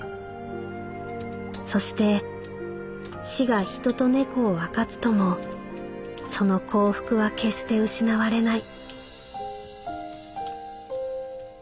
そして死が人と猫を分かつともその幸福は決して失われない」。